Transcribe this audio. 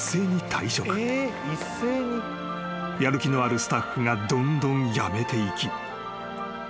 ［やる気のあるスタッフがどんどん辞めていき］